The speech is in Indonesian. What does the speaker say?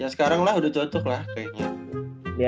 ya sekarang lah udah contoh lah kayaknya